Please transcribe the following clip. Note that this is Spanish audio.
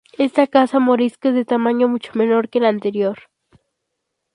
Esta casa morisca es de tamaño mucho menor que la anterior.